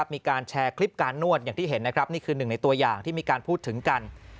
มีการแชร์คลิปการนวดอย่างที่เห็นนะครับนี่คือหนึ่งในตัวอย่างที่มีการพูดถึงกัน